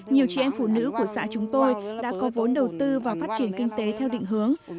nhiều chị em phụ nữ của xã chúng tôi đã có vốn đầu tư và phát triển kinh tế theo định hướng